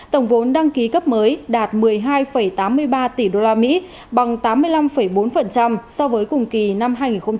tổng vốn đăng ký cấp mới đạt một mươi hai tám mươi ba tỷ usd bằng tám mươi năm bốn so với cùng kỳ năm hai nghìn một mươi chín